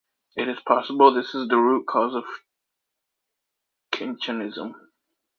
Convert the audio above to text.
It is possible this is the root cause of cinchonism.